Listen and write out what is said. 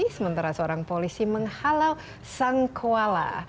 sementara seorang polisi menghalau sang koala